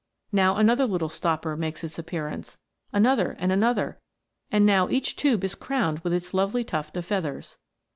Now another little stopper makes its appearance; another and another ; and now each tube is crowned with its lovely tuft of feathers.